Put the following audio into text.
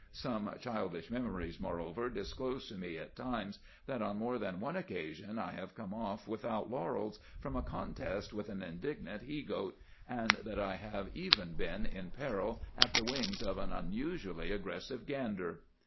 Some childish memories, moreover, disclose to me at times that on more than one occasion I have come off without laurels from a contest with an indignant he goat, and that I have even been in peril at the wings of an unusually aggressive gander.